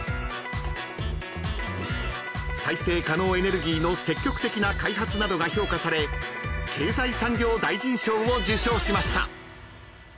［再生可能エネルギーの積極的な開発などが評価され経済産業大臣賞を受賞しました］